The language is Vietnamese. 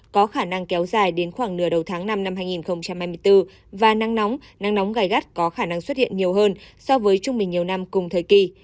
có khả năng kéo dài đến khoảng nửa đầu tháng năm năm hai nghìn hai mươi bốn và nắng nóng nắng nóng gai gắt có khả năng xuất hiện nhiều hơn so với trung bình nhiều năm cùng thời kỳ